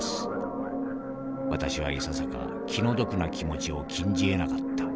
私はいささか気の毒な気持ちを禁じえなかった。